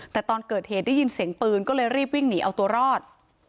แต่ตอนเกิดเหตุได้ยินเสียงปืนก็เลยรีบวิ่งหนีเอาตัวรอด